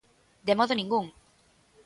¡De modo ningún!